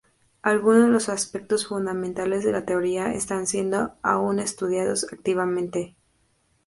Algunos de los aspectos fundamentales de la teoría están siendo aún estudiados activamente.